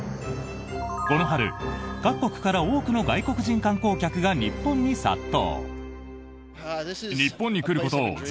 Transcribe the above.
この春、各国から多くの外国人観光客が日本に殺到。